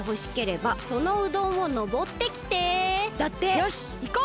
よしいこう！